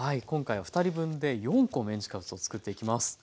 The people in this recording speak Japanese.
今回は２人分で４個メンチカツを作っていきます。